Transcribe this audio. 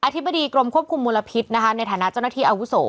ธิบดีกรมควบคุมมลพิษนะคะในฐานะเจ้าหน้าที่อาวุโส